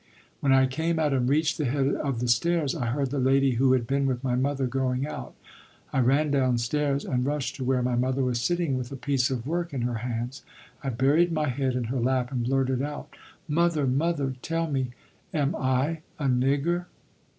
When I came out and reached the head of the stairs, I heard the lady who had been with my mother going out. I ran downstairs and rushed to where my mother was sitting, with a piece of work in her hands. I buried my head in her lap and blurted out: "Mother, mother, tell me, am I a nigger?"